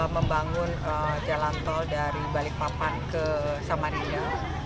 membangun jalan tol dari balikpapan ke samarinda